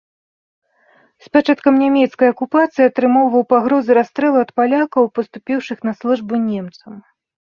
З пачаткам нямецкай акупацыі атрымоўваў пагрозы расстрэлу ад палякаў, паступіўшых на службу немцам.